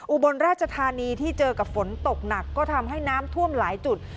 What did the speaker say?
อุบลราชธานีที่เจอกับฝนตกหนักก็ทำให้น้ำท่วมหลายจุด